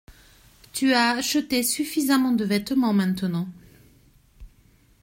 Tu as acheté suffisamment de vêtements maintenant.